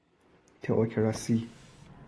تئوکراسی